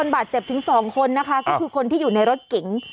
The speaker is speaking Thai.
บาดเจ็บถึง๒คนนะคะก็คือคนที่อยู่ในรถเก๋ง